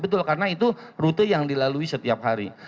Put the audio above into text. betul karena itu rute yang dilalui setiap hari